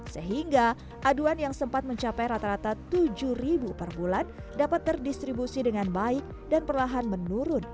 sehingga aduan yang sempat mencapai rata rata rp tujuh per bulan dapat terdistribusi dengan baik dan perlahan menurun